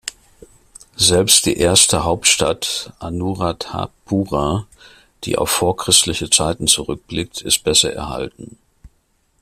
Selbst die erste Hauptstadt Anuradhapura, die auf vorchristliche Zeiten zurückblickt, ist besser erhalten.